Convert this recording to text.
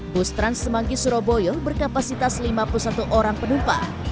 bus transmangi suraboyo berkapasitas lima puluh satu orang penumpang